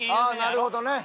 ああなるほどね！